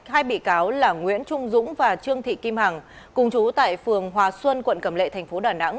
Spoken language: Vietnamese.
hai bị cáo là nguyễn trung dũng và trương thị kim hằng cùng chú tại phường hòa xuân quận cầm lệ thành phố đà nẵng